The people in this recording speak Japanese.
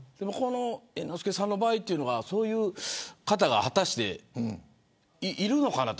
猿之助さんの場合はそういう方が果たして、いるのかなと。